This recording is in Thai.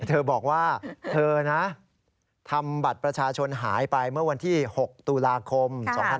เธอบอกว่าเธอนะทำบัตรประชาชนหายไปเมื่อวันที่๖ตุลาคม๒๕๖๒